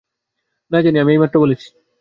না, আমি জানি আমি এইমাত্র বলেছি।